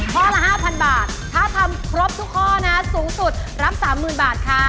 ข้อละ๕๐๐บาทถ้าทำครบทุกข้อนะสูงสุดรับ๓๐๐๐บาทค่ะ